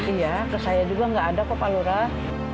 iya ke saya juga nggak ada kok pak lurah